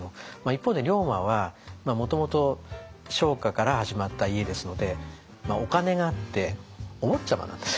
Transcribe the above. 一方で龍馬はもともと商家から始まった家ですのでお金があってお坊ちゃまなんですよね。